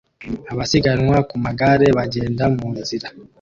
Abasiganwa ku magare bagenda munzira